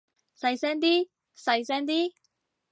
細聲啲，細聲啲